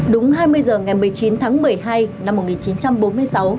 đúng hai mươi h ngày một mươi chín tháng một mươi hai năm một nghìn chín trăm bốn mươi sáu